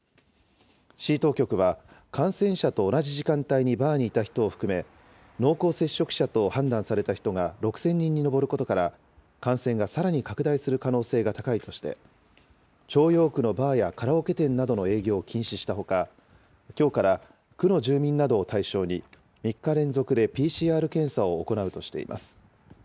市当局は、感染者と同じ時間帯にバーにいた人を含め、濃厚接触者と判断された人が６０００人に上ることから、感染がさらに拡大する可能性が高いとして、朝陽区のバーやカラオケ店などの営業を禁止したほか、きょうから区の住民などを対象に、３日連続でＰＣＲ検査を行うとしています。